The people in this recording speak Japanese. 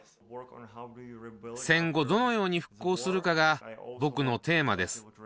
戦後どのように復興するかが僕のテーマです。